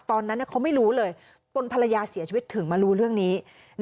ตอนนั้นเขาไม่รู้เลยตนภรรยาเสียชีวิตถึงมารู้เรื่องนี้